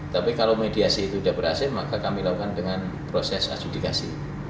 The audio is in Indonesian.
tapi kalau mediasi itu sudah berhasil maka kami lakukan dengan proses adjudikasi